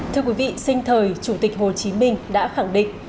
thưa quý vị sinh thời chủ tịch hồ chí minh đã khẳng định